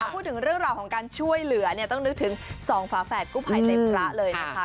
พูดถึงเรื่องราวของการช่วยเหลือเนี่ยต้องนึกถึงสองฝาแฝดกู้ภัยใจพระเลยนะคะ